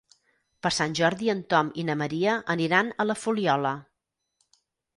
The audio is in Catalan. Per Sant Jordi en Tom i na Maria aniran a la Fuliola.